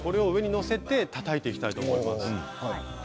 載せてたたいていきたいと思います。